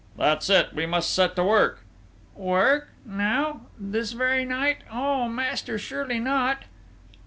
"That's it! We must set to work...." "Work?... Now?... This very night?... Oh, master, surely not!"